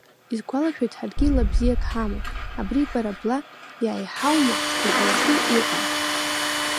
Исгәалашәоит, ҳаргьы ла бзиак ҳаман, абри бара бла иааиҳаума уҳәаратәы иҟан.